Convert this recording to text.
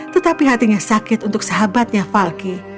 tetapi hatinya sakit untuk sahabatnya falky